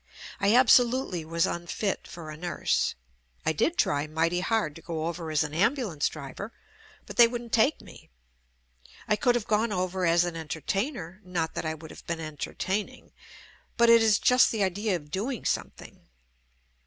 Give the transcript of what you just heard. I absolutely was unfit for a nurse. I did try mighty hard to go over as an ambulance driver, but they wouldn't take me. I could have gone over as an entertainer ("not that I would have been entertaining") JUST ME but it is just the idea of doing something.